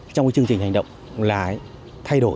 trong chương trình hành động là thay đổi